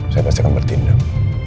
saya pasti akan bertindak